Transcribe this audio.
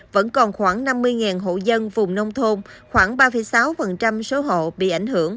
vẫn còn khoảng năm mươi hộ dân vùng nông thôn khoảng ba sáu số hộ bị ảnh hưởng